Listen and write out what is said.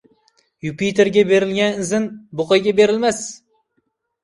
Yupiterga berilgan izn buqaga berilgan emas.